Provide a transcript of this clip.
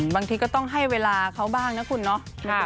บางทีก็ต้องให้เวลาเขาบ้างนะคุณเนาะ